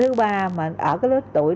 thứ ba ở lứa tuổi